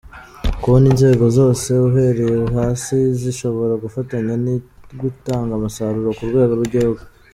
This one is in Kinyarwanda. kubona inzego zose uhereye hasi zishobora gufatanya bigatanga umusaruro ku rwego rw’igihugu.